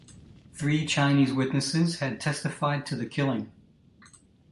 Three Chinese witnesses had testified to the killing.